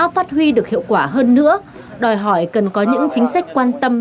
phát huy được hiệu quả hơn nữa đòi hỏi cần có những chính sách quan tâm